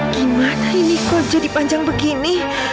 gimana ini kok jadi panjang begini